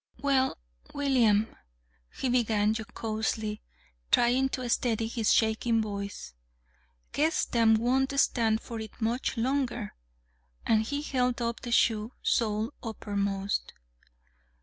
"Well, William," he began jocosely, trying to steady his shaking voice, "guess them won't stand for it much longer!" And he held up the shoe, sole uppermost.